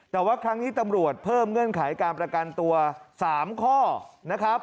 แต่ว่าครั้งนี้ตำรวจเพิ่มเงื่อนไขการประกันตัว๓ข้อนะครับ